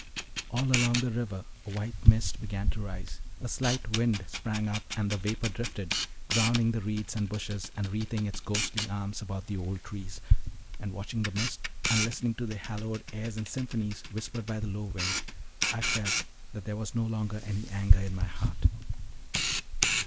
All along the river a white mist began to rise, a slight wind sprang up and the vapor drifted, drowning the reeds and bushes, and wreathing its ghostly arms about the old trees: and watching the mist, and listening to the "hallowed airs and symphonies" whispered by the low wind, I felt that there was no longer any anger in my heart.